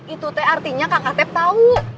itu teh artinya kakak tep tahu